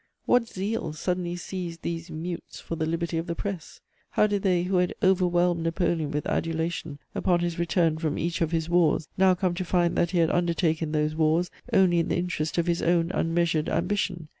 What zeal suddenly seized these mutes for "the liberty of the press"? How did they, who had overwhelmed Napoleon with adulation upon his return from each of his wars, now come to find that he had undertaken those wars "only in the interest of his own unmeasured ambition"?